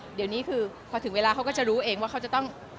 เดี๋ยวนี้คือพอถึงเวลาเขาก็จะรู้เองว่าเขาจะต้อง